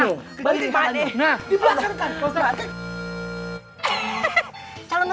di belakang kan